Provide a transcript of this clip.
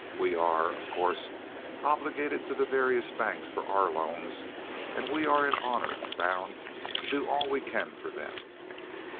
We are, of course, obligated to the various banks for our loans, and we are in honor bound to do all we can for them.